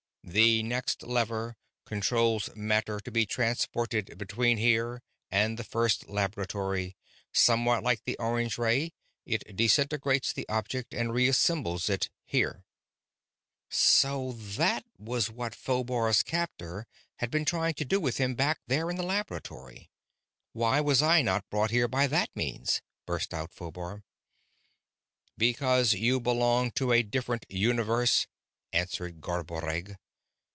"The next lever controls matter to be transported between here and the first laboratory. Somewhat like the orange ray, it disintegrates the object and reassembles it here." So that was what Phobar's captor had been trying to do with him back there in the laboratory! "Why was I not brought here by that means?" burst out Phobar. "Because you belong to a different universe," answered Garboreggg.